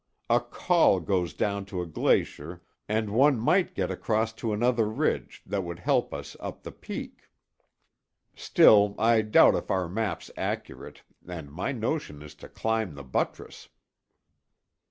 A col goes down to a glacier and one might get across to another ridge that would help us up the peak. Still I doubt if our map's accurate, and my notion is to climb the buttress."